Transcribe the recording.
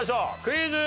クイズ。